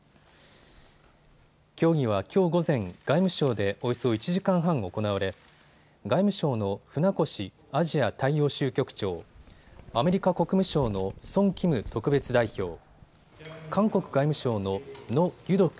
協議はきょう午前、外務省でおよそ１時間半行われ外務省の船越アジア大洋州局長、アメリカ国務省のソン・キム特別代表、韓国外務省のノ・ギュドク